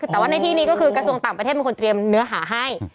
แต่ว่าในที่นี้ก็คือกระทรวงต่างประเทศเป็นคนเตรียมเนื้อหาให้